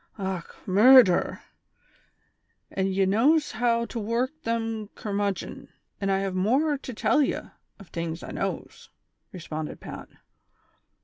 " Och, murdher ! an' ye knows how to work them cur mudgon. An' I have morer to tell ye, ov tings I knows," responded Pat.